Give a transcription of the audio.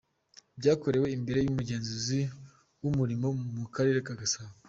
Byakorewe imbere y’umugenzuzi w’umurimo mu karere ka Gasabo.